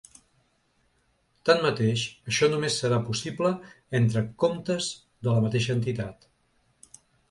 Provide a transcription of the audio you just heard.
Tanmateix, això només serà possible entre comptes de la mateixa entitat.